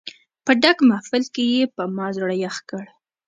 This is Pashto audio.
په ډک محفل کې یې په ما زړه یخ کړ.